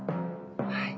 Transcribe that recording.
はい。